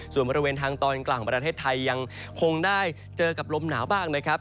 ส่วนบริเวณทางตอนกลางของประเทศไทยยังคงได้เจอกับลมหนาวบ้างนะครับ